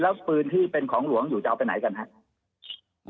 แล้วปืนที่เป็นของหลวงอยู่จะเอาไปไหนกันครับ